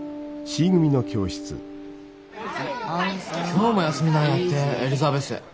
今日も休みなんやってエリザベス。